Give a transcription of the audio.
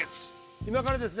今からですね